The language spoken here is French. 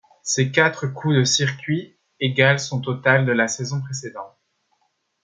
Ses quatre coups de circuit égalent son total de la saison précédente.